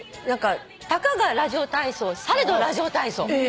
たかがラジオ体操されどラジオ体操。